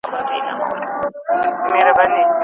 د چا په غياب کي خبري مه کوئ.